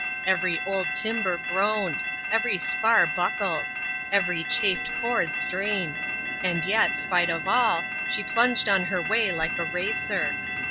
Every old timber groaned — every spar buckled — every chafed cord strained ; and yet, spite of all, she plunged on her way like a racer.